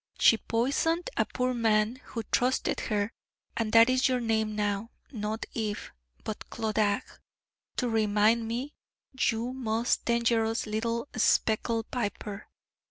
She poisoned a poor man who trusted her: and that is your name now not Eve, but Clodagh to remind me, you most dangerous little speckled viper!